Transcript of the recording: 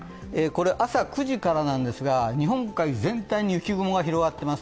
朝９時からですが、日本海全体に雪雲が広がっています。